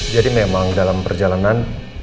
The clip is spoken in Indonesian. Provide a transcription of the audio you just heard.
jadi memang dalam perjalanan